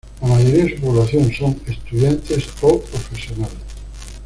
La mayoría de su población son estudiantes o profesionales.